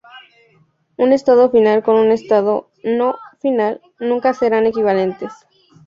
Un estado final con un estado no-final nunca serán equivalentes.